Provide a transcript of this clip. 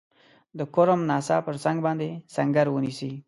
د کرم ناسا پر څنګ باندي سنګر ونیسي.